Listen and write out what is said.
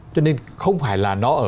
cho nên không phải là nó ở